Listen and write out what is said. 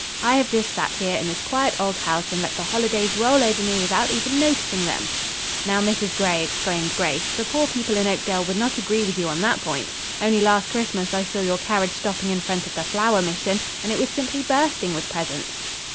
"I have just sat here in this quiet old house, and let the holidays roll over me without even noticing them." "Now, Mrs. Gray," exclaimed Grace, "the poor people in Oakdale would not agree with you on that point. Only last Christmas I saw your carriage stopping in front of the Flower Mission, and it was simply bursting with presents."